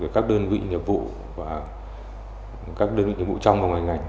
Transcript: các đơn vị nhiệm vụ các đơn vị nhiệm vụ trong và ngoài ngành